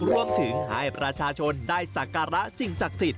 รวมถึงให้ประชาชนได้สักการะสิ่งศักดิ์สิทธิ